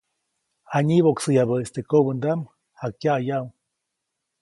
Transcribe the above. Janyiboʼksäyabäʼis teʼ kobändaʼm, jakyaʼyaʼuŋ.